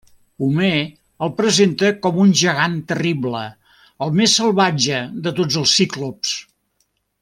Homer el presenta com un gegant terrible, el més salvatge de tots els ciclops.